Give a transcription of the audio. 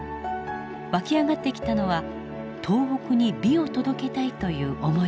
湧き上がってきたのは東北に美を届けたいという思いでした。